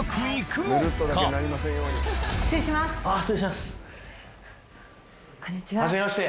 こんにちは。